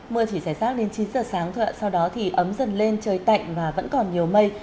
mưa chỉ giải sát đến chín giờ sáng thôi ạ sau đó thì ấm dần lên trời tạnh và vẫn còn nhiều mây